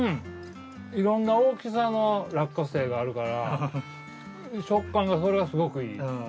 いろんな大きさの落花生があるから食感がそれがすごくいい。